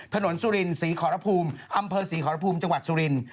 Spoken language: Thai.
สุรินศรีขอรภูมิอำเภอศรีขอรภูมิจังหวัดสุริน